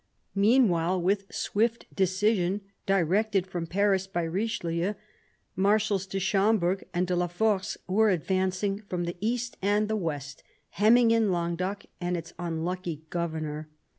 Meanwhile, with swift decision, directed from Paris by Richelieu, Marshals de Schomberg and de la Force were advancing from the east and the west, hemming in Languedoc and its unlucky governor.